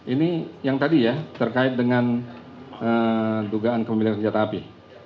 ini yang tadi ya terkait dengan dugaan pemilik senjata api